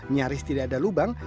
nyaris tidak ada lubang